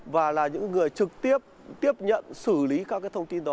và là những người trực tiếp tiếp nhận xử lý các cái thông tin đó